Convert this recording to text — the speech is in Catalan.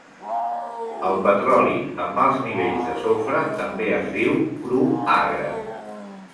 El petroli amb alts nivells de sofre també es diu cru agre.